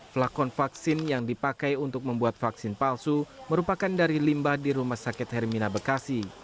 flakon vaksin yang dipakai untuk membuat vaksin palsu merupakan dari limbah di rumah sakit hermina bekasi